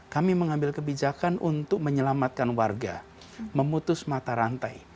kami mengambil kebijakan untuk menyelamatkan warga memutus mata rantai